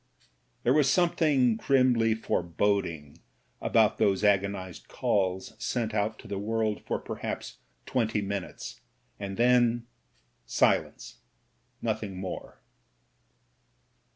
There was something grimly foreboding about those agonised calls sent out to the world for perhaps twenty minutes, and then — silence, nothing more.